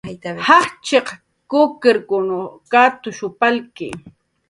Jajch'iq kukiqkunw katush palki.